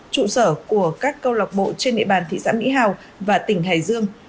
trụ sở của các câu lọc bộ trên địa bàn thị xã mỹ hào và tỉnh hải dương